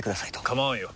構わんよ。